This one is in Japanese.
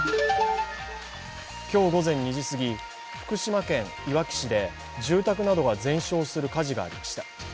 今日午前２時すぎ福島県いわき市で住宅などが全焼する火事がありました。